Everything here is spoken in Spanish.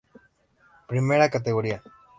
Primera categoría.